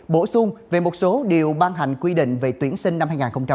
bổ sung về một số điều ban hành quy định về tuyển sinh năm hai nghìn một mươi chín